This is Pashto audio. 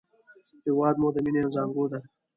هېواد مو د مینې زانګو ده